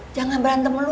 jangan berantem lo lo